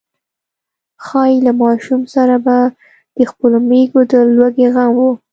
ښايي له ماشوم سره به د خپلو مېږو د لوږې غم و.